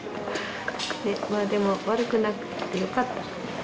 でも悪くなくてよかった。